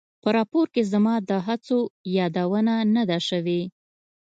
په راپور کې زما د هڅو یادونه نه ده شوې.